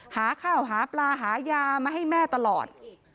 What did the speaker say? หาข้าวหาปลาหายามาให้แม่ตลอด